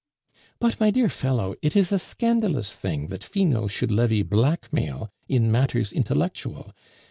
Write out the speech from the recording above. "But, my dear fellow, it is a scandalous thing that Finot should levy blackmail in matters intellectual.